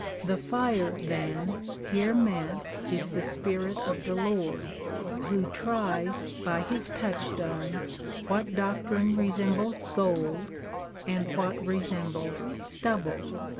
Thej^re, then, here meant is the Spirit of the Lord, who tries by his touchstone what doctrine resembles gold and what resembles stubble.